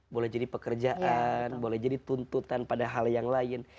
boleh jadi pekerjaan boleh jadi tuntutan pada hal yang lain